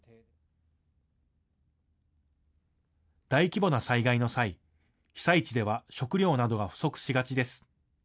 大規模な災害の際、被災地では食料などが不足しがちです。